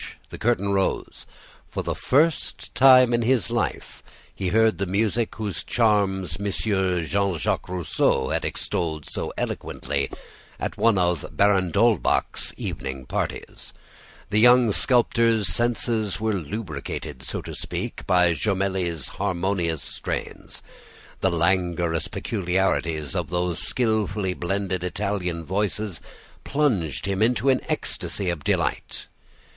The curtain rose. For the first time in his life he heard the music whose charms Monsieur Jean Jacques Rousseau had extolled so eloquently at one of Baron d'Holbach's evening parties. The young sculptor's senses were lubricated, so to speak, by Jomelli's harmonious strains. The languorous peculiarities of those skilfully blended Italian voices plunged him in an ecstasy of delight.